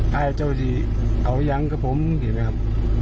ได้ภายใจที่เอายังมะผมเห็นไหมครับ